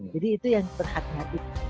jadi itu yang berhaknya